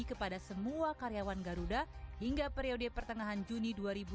kepada semua karyawan garuda hingga periode pertengahan juni dua ribu dua puluh